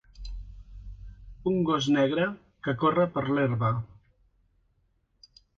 Un gos negre que corre per l'herba.